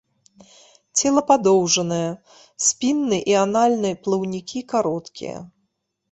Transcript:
Цела падоўжанае, спінны і анальны плаўнікі кароткія.